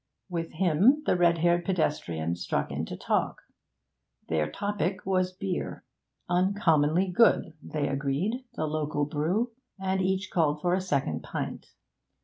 With him the red haired pedestrian struck into talk. Their topic was beer. Uncommonly good, they agreed, the local brew, and each called for a second pint.